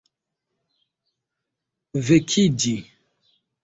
vekiĝi